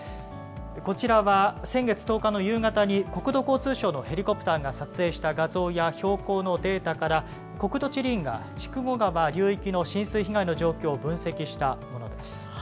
こちらは先月１０日の夕方に国土交通省のヘリコプターが撮影した画像や標高のデータから、国土地理院が筑後川流域の浸水被害の状況を分析したものです。